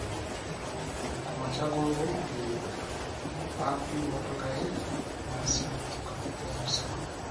Ku makya g’Olwokubiri bakubye emmotoka ye n’asimattuka n’ebisago.